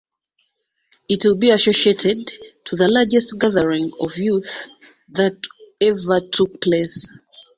It will be associated to the largest gathering of youth that ever took place.